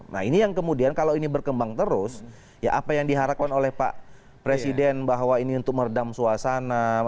nah ini yang kemudian kalau ini berkembang terus ya apa yang diharapkan oleh pak presiden bahwa ini untuk meredam suasana